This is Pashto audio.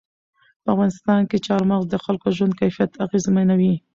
په افغانستان کې چار مغز د خلکو ژوند کیفیت اغېزمنوي.